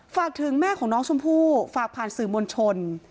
ฝากถึงแม่ของน้องชมพู่ฝากผ่านสื่อมวลชน